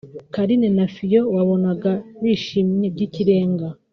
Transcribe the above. Carine na Fio wabonaga bishimye by’ikirenga